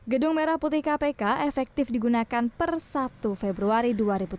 gedung merah putih kpk efektif digunakan per satu februari dua ribu tujuh belas